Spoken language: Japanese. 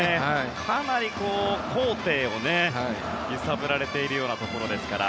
かなり高低を揺さぶられているようなところですから。